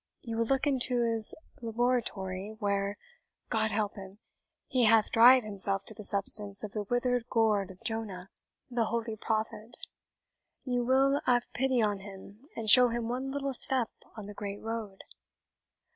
you will look into his laboratory, where, God help him, he hath dried himself to the substance of the withered gourd of Jonah, the holy prophet. You will ave pity on him, and show him one little step on the great road?"